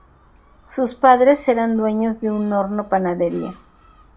Sus padres eran dueños de un horno panadería.